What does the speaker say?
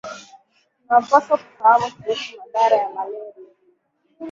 tunaopaswa kufahamu kuhusu madhara ya malaria